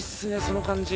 その感じ。